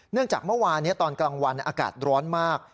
จากเมื่อวานตอนกลางวันอากาศร้อนมาก